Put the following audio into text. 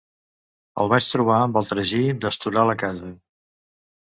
El vaig trobar amb el tragí d'estorar la casa.